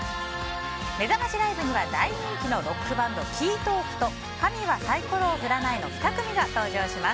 めざましライブには大人気のロックバンドＫＥＹＴＡＬＫと神はサイコロを振らないの２組が登場します。